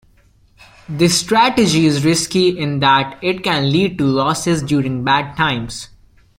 This strategy is risky in that it can lead to losses during bad times.